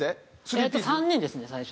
えっと３人ですね最初。